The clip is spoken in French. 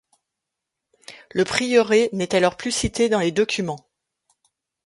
Le prieuré n'est alors plus cité dans les documents.